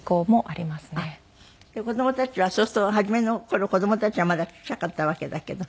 で子供たちはそうすると初めの頃子供たちはまだちっちゃかったわけだけど。